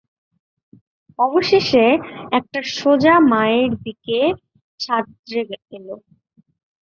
অবশেষে, একটা সোজা মায়ের দিকে সাঁতরে এলো।